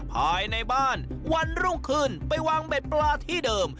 ภายในบ้านวันรุ่งขึ้นไปวางเบ็ดปลาที่เดิม